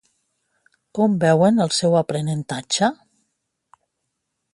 Com veuen el seu aprenentatge?